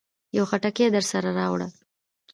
يو خټکی درسره راوړه.